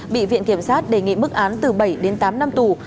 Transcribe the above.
bị viện kiểm sát đề nghị mức án từ bảy đến tám năm tù